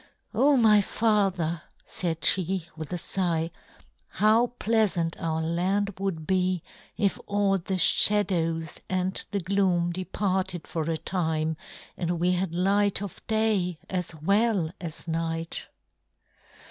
"Oh, my father," said she with a sigh, "how pleasant our land would be if all the shadows and the gloom departed for a time and we had light of day as well as night."